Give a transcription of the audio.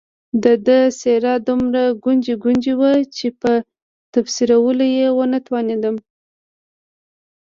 د ده څېره دومره ګونجي ګونجي وه چې په تفسیرولو یې ونه توانېدم.